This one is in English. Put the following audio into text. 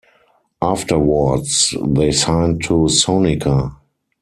Afterwards, they signed to Sonica.